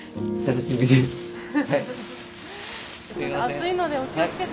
暑いのでお気をつけて。